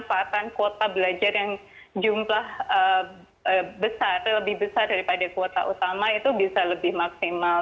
memanfaatkan kuota belajar yang jumlah besar atau lebih besar daripada kuota utama itu bisa lebih maksimal